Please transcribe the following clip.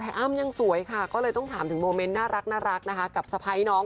แต่อ้ำยังสวยค่ะก็เลยต้องถามถึงโมเมนต์น่ารักนะคะกับสะพ้ายน้อง